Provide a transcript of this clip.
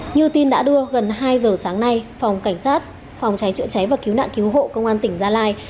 như tin đã đưa gần hai giờ sáng nay phòng cảnh sát phòng cháy chữa cháy và cứu nạn cứu hộ công an tỉnh gia lai